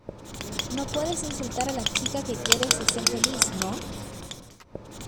no puedes insultar a la chica que quieres y ser feliz, ¿ no?